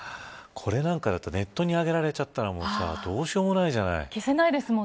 これなんかだとネットに上げられちゃったらどうしようもないじゃない。